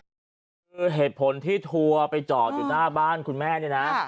คือเหตุผลที่ทัวร์ไปจอดอยู่หน้าบ้านคุณแม่เนี่ยนะ